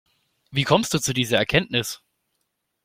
Wie kommst du zu dieser Erkenntnis?